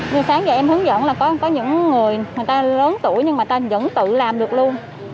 buổi sáng giờ em hướng dẫn là có những người người ta lớn tuổi nhưng mà tên vẫn tự làm được luôn